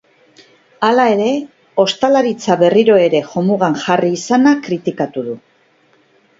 Hala ere, ostalaritza berriro ere jomugan jarri izana kritikatu du.